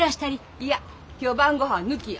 いや今日晩ごはん抜きや。